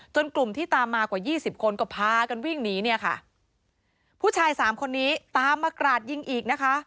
กลุ่มที่ตามมากว่ายี่สิบคนก็พากันวิ่งหนีเนี่ยค่ะผู้ชายสามคนนี้ตามมากราดยิงอีกนะคะ